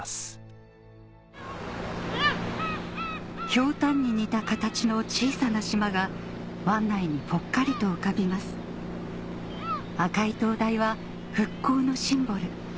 ヒョウタンに似た形の小さな島が湾内にぽっかりと浮かびます赤い灯台は復興のシンボル